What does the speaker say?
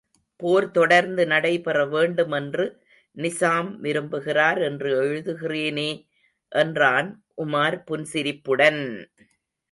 போர் தொடர்ந்து நடைபெற வேண்டுமென்று நிசாம் விரும்புகிறார் என்று எழுதுகிறேனே! என்றான் உமார் புன்சிரிப்புடன்!